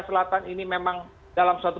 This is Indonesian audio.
selatan ini memang dalam suatu